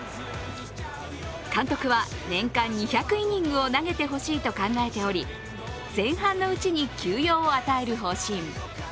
監督は年間２００イニングを投げてほしいと考えており前半のうちに休養を与える方針。